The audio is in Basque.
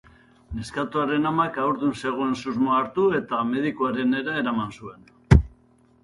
Neskatoaren amak haurdun zegoen susmoa hartu eta medikuarenera eraman zuen.